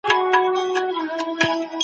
پرمختللي هېوادونه د نوښت په برخه کي مخکښ دي.